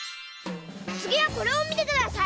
つぎはこれをみてください。